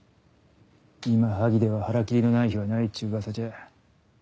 今萩では腹切りのない日はないっちゅう噂じゃ。